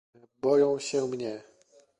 "Boją się mnie."